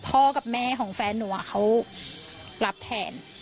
พ่อกับแม่ของแฟนหนูเขารับแทน